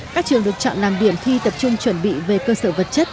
các trường được chọn làm điểm thi tập trung chuẩn bị về cơ sở vật chất